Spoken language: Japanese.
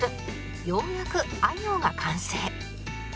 ようやくあ行が完成